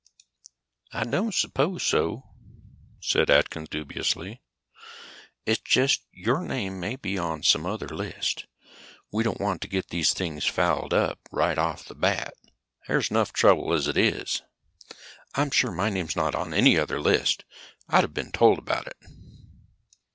"I don't suppose so," said Atkins dubiously. "It's just that your name may be on some other list. We don't want to get these things fouled up right off the bat. There's enough trouble as it is." "I'm sure my name's not on any other list. I'd have been told about it."